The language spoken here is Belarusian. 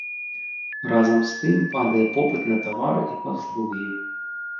Разам з тым, падае попыт на тавары і паслугі.